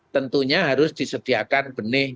tentunya harus disediakan benih